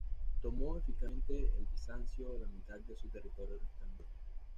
Tomó eficazmente de Bizancio la mitad de su territorio restante.